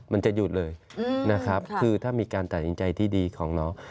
มันจะหยุดเลยนะครับคือถ้ามีการตัดสินใจที่ดีของน้อง